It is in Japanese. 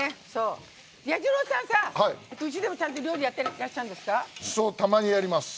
彌十郎さんさ、うちでもちゃんと料理やってらっしゃるんですか？